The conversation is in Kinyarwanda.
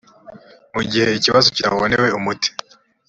mu gihe ikibazo kitabonewe umuti